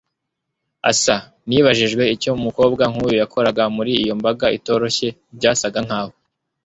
asa. nibajije icyo umukobwa nkuyu yakoraga muri iyo mbaga itoroshye; byasaga nkaho